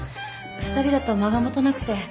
２人だと間がもたなくて。